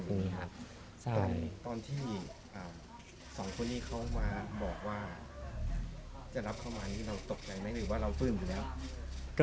ตอนที่สองคนนี้เขามาบอกว่าจะรับเข้ามานี่เราตกใจไหมหรือว่าเราฟื้นอยู่แล้ว